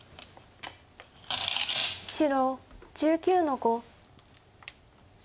白１９の五。